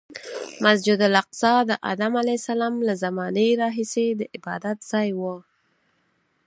مسجد الاقصی د ادم علیه السلام له زمانې راهیسې د عبادتځای و.